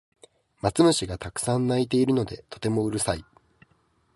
マツムシがたくさん鳴いているのでとてもうるさい